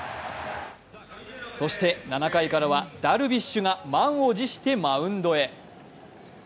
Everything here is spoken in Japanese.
そして７回からはダルビッシュが満を持してマウンドへ。